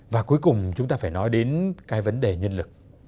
và cuối cùng chúng ta phải nói đến cái vấn đề nhân lực